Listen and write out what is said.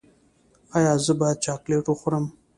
ایا زه باید چاکلیټ وخورم؟